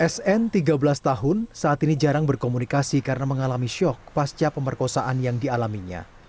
sn tiga belas tahun saat ini jarang berkomunikasi karena mengalami syok pasca pemerkosaan yang dialaminya